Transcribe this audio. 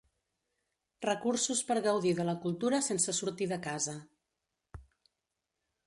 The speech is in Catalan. Recursos per gaudir de la cultura sense sortir de casa.